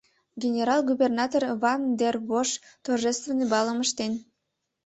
Генерал-губернатор Ван дер Бош торжественный балым ыштен.